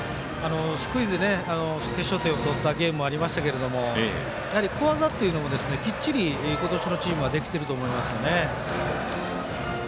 スクイズで決勝点を取ったゲームもありましたけどやはり、小技っていうのもきっちり今年のチームはできてると思いますね。